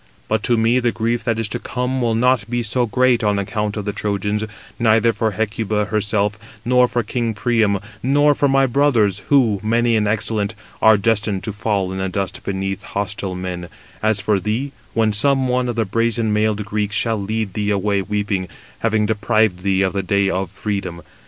But to me the grief that is to come will not be so great on account of the Trojans, neither for Hecuba herself, nor for king Priam, nor for my brothers, who, many and excellent, are destined to fall in the dust beneath hostile men, as for thee, when some one of the brazen mailed Greeks shall lead thee away weeping, having deprived thee of the day of freedom.